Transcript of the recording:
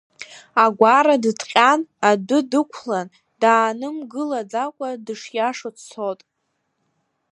Агәара дыҭҟьан, адәы дықәлан, даанымгылаӡакәа дышиашо дцот.